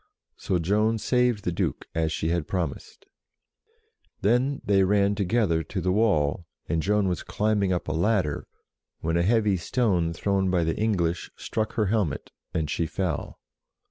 So Joan saved the Duke, as she had promised. Then they ran together to the wall, and Joan was climbing up a ladder, when a heavy stone thrown by the English struck her helmet, and she fell.